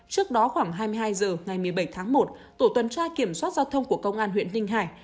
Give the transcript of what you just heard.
trước đó khoảng hai mươi hai h ngày một mươi bảy tháng một tổ tuần tra kiểm soát giao thông của công an huyện ninh hải